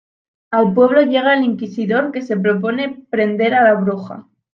Al pueblo llega el Inquisidor que se propone prender a la bruja.